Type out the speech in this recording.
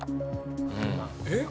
えっ？